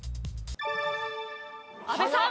阿部さん。